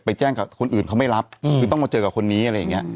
แจ้งกับคนอื่นเขาไม่รับคือต้องมาเจอกับคนนี้อะไรอย่างเงี้ย